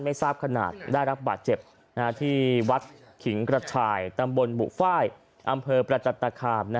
ไม่ทราบขนาดได้รับบาดเจ็บที่วัดขิงกระชายตำบลบุฟ้ายอำเภอประจันตคาม